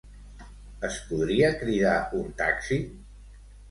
Es podria cridar un taxi?